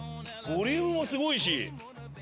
ボリュームもすごいし。